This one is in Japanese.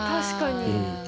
確かに。